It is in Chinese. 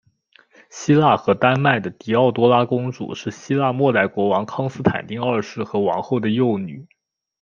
希腊和丹麦的狄奥多拉公主是希腊未代国王康斯坦丁二世和王后的幼女。